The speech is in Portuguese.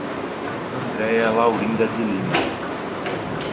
Andreia Laurinda de Lima